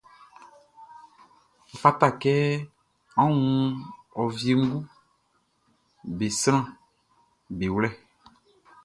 Ɔ fata kɛ a wun ɔ wienguʼm be saʼm be wlɛ.